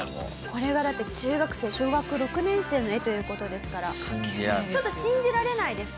これがだって中学生小学６年生の絵という事ですからちょっと信じられないですよね。